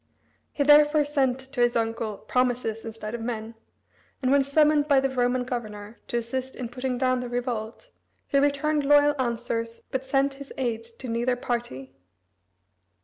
He therefore sent to his uncle promises instead of men, and when summoned by the Roman governor to assist in putting down the revolt, he returned loyal answers, but sent his aid to neither party.